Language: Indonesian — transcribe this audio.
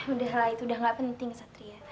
udah lah itu udah gak penting satria